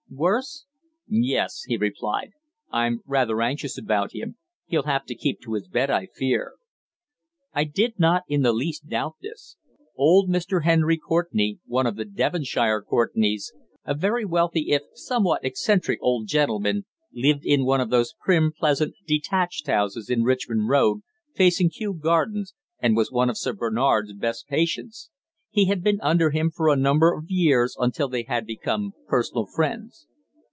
"Worse?" "Yes," he replied. "I'm rather anxious about him. He'll have to keep to his bed, I fear." I did not in the least doubt this. Old Mr. Henry Courtenay, one of the Devonshire Courtenays, a very wealthy if somewhat eccentric old gentleman, lived in one of those prim, pleasant, detached houses in Richmond Road, facing Kew Gardens, and was one of Sir Bernard's best patients. He had been under him for a number of years until they had become personal friends.